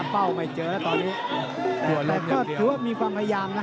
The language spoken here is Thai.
เป้าไม่เจอแล้วตอนนี้แต่ก็ถือว่ามีความพยายามนะ